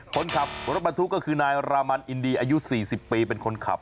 คนขับรถบรรทุกก็คือนายรามันอินดีอายุ๔๐ปีเป็นคนขับ